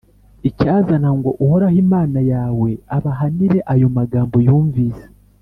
Icyazana ngo Uhoraho Imana yawe abahanire ayo magambo yumvise!